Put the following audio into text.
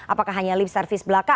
apakah hanya lip service belaka